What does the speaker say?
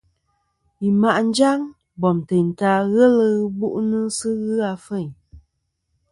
Yi ma' njaŋ bom teyn ta ghelɨ bu'nɨ sɨ ghɨ a feyn.